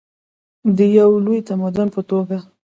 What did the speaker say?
د یو لوی تمدن په توګه.